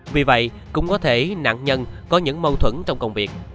vì vậy cũng có thể nạn nhân có những mâu thuẫn trong công việc